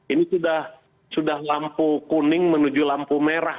ini sudah lampu kuning menuju lampu merah